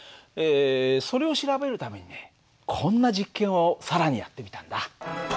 それを調べるためにねこんな実験を更にやってみたんだ。